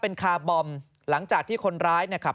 เป็นคาร์บอมหลังจากที่คนร้ายเนี่ยขับ